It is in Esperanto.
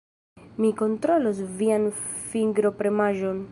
Mi kontrolos vian fingropremaĵon.